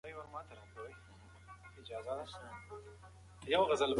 هغه روبوټ چې په روغتون کې دی ناروغانو ته درمل رسوي.